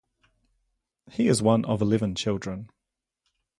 He is one of eleven children.